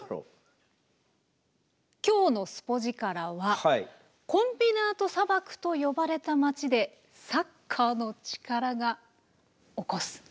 今日の「スポヂカラ！」はコンビナート砂漠と呼ばれた町でサッカーの力が起こす奇跡の物語です。